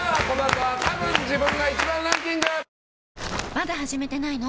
まだ始めてないの？